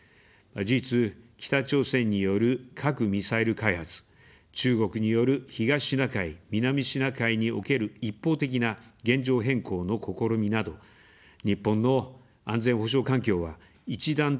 事実、北朝鮮による核・ミサイル開発、中国による東シナ海・南シナ海における一方的な現状変更の試みなど、日本の安全保障環境は、一段と厳しさを増しています。